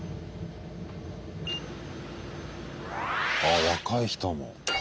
あ若い人も。